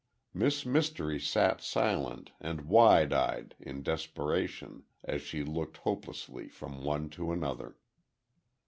Miss Mystery sat silent, and wide eyed in desperation, as she looked hopelessly from one to another.